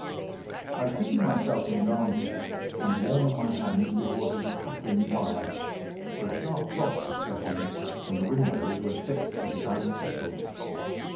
I seated myself in his armchair and warmed my hands before his crackling fire, for a sharp frost had set in, and the windows were thick with the ice crystals.